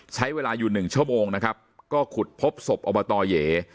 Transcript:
ใช้เวลาอยู่หนึ่งชั่วโมงนะครับก็ขุดพบศพอบตเหย